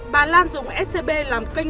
bà lan dùng scb làm kênh